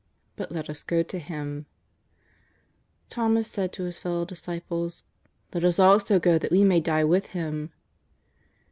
But let us go to him." Thomas said to his fellow disciples :" Let us also go that we may die with Him."